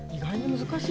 難しい。